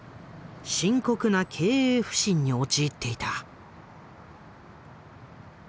深刻な経営不振に陥っていた。